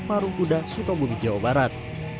parung kuda sukabumi jawa barat